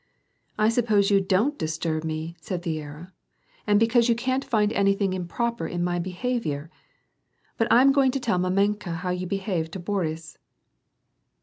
'•I suppose you don't disturb me," said Viera, "and be cause you can't find anything improper in my behavior. But I am going to tell niamenka how you behave to Boris."